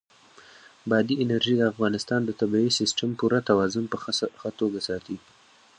بادي انرژي د افغانستان د طبعي سیسټم پوره توازن په ښه توګه ساتي.